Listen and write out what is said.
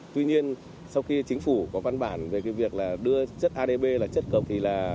tuy nhiên sau khi chính phủ có văn bản về việc đưa chất adb là chất cộng